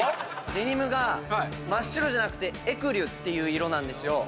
デニムが真っ白じゃなくてエクリュっていう色なんですよ。